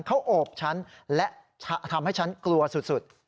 เขาโอบฉันและทำให้ฉันกลัวสุด